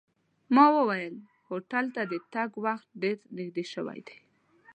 ما وویل هوټل ته د تګ وخت ډېر نږدې شوی دی.